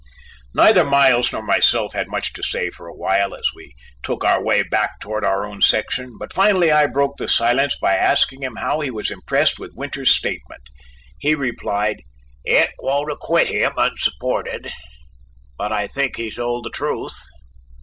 Neither Miles nor myself had much to say for awhile as we took our way back toward our own section, but finally I broke the silence by asking him how he was impressed with Winters's statement. He replied: "It won't acquit him unsupported, but I think he told the truth."